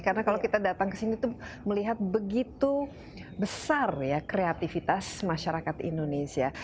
karena kalau kita datang ke sini itu melihat begitu besar ya kreativitas masyarakat indonesia